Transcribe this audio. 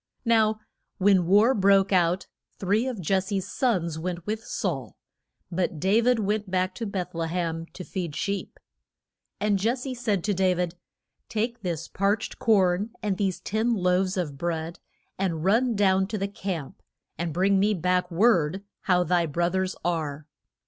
Now when the war broke out three of Jes se's sons went with Saul, but Da vid went back to Beth le hem to feed sheep. And Jes se said to Da vid, Take this parched corn and these ten loaves of bread, and run down to camp and bring me back word how thy broth ers are.